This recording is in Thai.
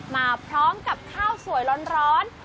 มาพร้อมกับข้าวสวยร้อน